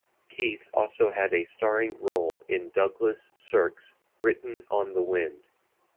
Keith also had a starring role in Douglas Sirk's "Written on the Wind".